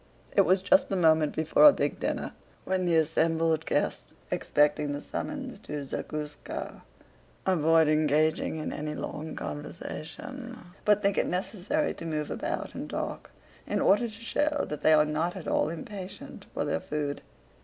It was just the moment before a big dinner when the assembled guests, expecting the summons to zakúska, * avoid engaging in any long conversation but think it necessary to move about and talk, in order to show that they are not at all impatient for their food.